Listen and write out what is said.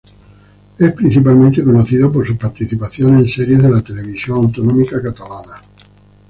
Es principalmente conocido por sus participaciones en series de la televisión autonómica catalana.